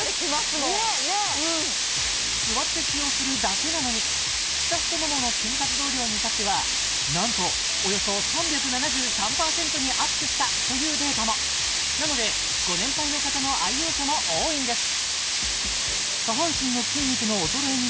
もんねえ座って使用するだけなのに下太ももの筋活動量に至っては何とおよそ３７３％にアップしたというデータもなのでご年配の方の愛用者も多いんです